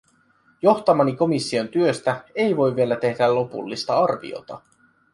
Johtamani komission työstä ei voi vielä tehdä lopullista arviota.